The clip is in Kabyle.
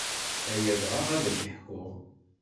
Ay adɣaɣ ad ak-ḥkuɣ.